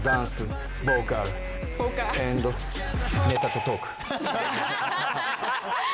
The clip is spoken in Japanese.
ネタとトーク？